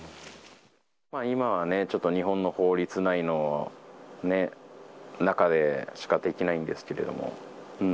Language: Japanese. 今はね、ちょっと日本の法律内のね、中でしかできないんですけれども。